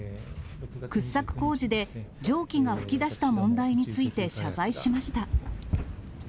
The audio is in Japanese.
掘削工事で蒸気が噴き出した問題について謝罪しました。